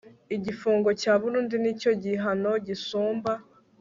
igifungo cya burundu ni cyo gihano gisumba